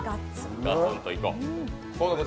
ガツンといこう。